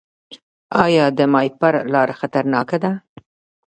آیا د ماهیپر لاره خطرناکه ده؟